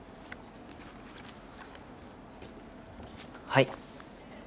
はい。